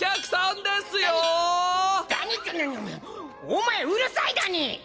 お前うるさいだに！